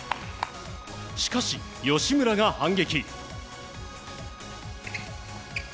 しかし、吉村が反撃。